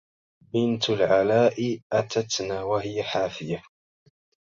بنت العلاء أتتنا وهي حافية